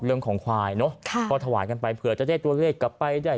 เรื่องของควายเนอะก็ถวายกันไปเผื่อจะได้ตัวเลขกลับไปได้